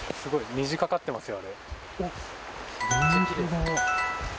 虹がかかっていますよ。